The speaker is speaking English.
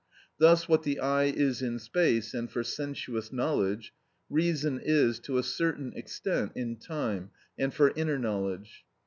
Thus what the eye is in space and for sensuous knowledge, reason is, to a certain extent, in time and for inner knowledge.